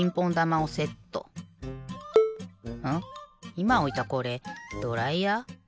いまおいたこれドライヤー？